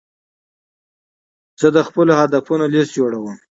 زه د خپلو هدفونو لیست جوړوم.